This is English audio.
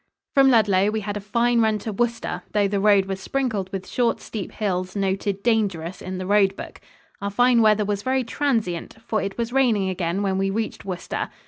From Ludlow we had a fine run to Worcester, though the road was sprinkled with short, steep hills noted "dangerous" in the road book. Our fine weather was very transient, for it was raining again when we reached Worcester.